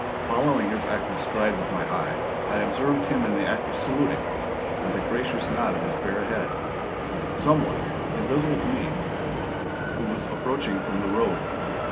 Following his active stride with my eye, I observed him in the act of saluting, with a gracious nod of his bare head, some one, invisible to me, who was approaching from the road.